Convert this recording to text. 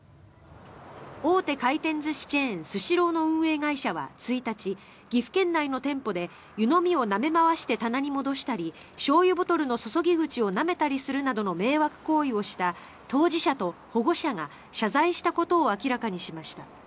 大手回転寿司チェーンスシローの運営会社は１日岐阜県内の店舗で湯飲みをなめ回して棚に戻したりしょうゆボトルの注ぎ口をなめたりするなどの迷惑行為をした当事者と保護者が謝罪したことを明らかにしました。